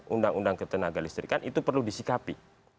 undang undang ketenaga listrikan itu perlu disikapi